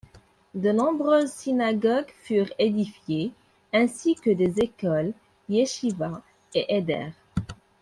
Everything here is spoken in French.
De nombreuses synagogues furent édifiées, ainsi que des écoles, yeshivas et heders.